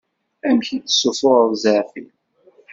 Amek i d-ssufuɣeḍ zɛaf-im?